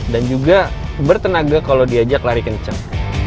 dan juga bertenaga kalo diajak lari kenceng